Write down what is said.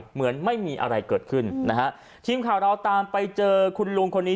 เหมือนไม่มีอะไรเกิดขึ้นนะฮะทีมข่าวเราตามไปเจอคุณลุงคนนี้